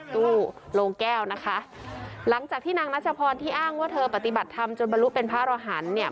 ตู้โลงแก้วนะคะหลังจากที่นางนัชพรที่อ้างว่าเธอปฏิบัติธรรมจนบรรลุเป็นพระรหันต์เนี่ย